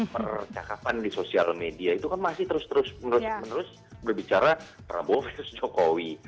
percakapan di sosial media itu kan masih terus terus menerus menerus berbicara prabowo versus jokowi